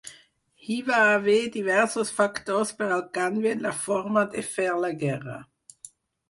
Hi va haver diversos factors per al canvi en la forma de fer la guerra.